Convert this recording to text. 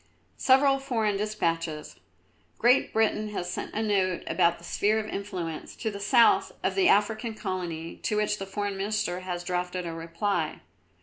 "Several foreign despatches. Great Britain has sent a note about the Sphere of Influence to the south of the African Colony, to which the Foreign Minister has drafted a reply."